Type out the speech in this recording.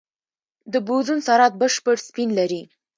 د بوزون ذرات بشپړ سپین لري.